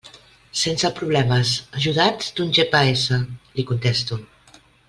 «Sense problemes, ajudats d'un GPS», li contesto.